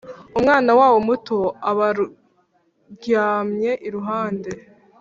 umwana wabo muto abaryamye iruhande.